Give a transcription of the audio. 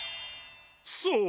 そう？